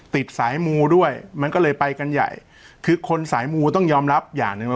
สายมูด้วยมันก็เลยไปกันใหญ่คือคนสายมูต้องยอมรับอย่างหนึ่งว่า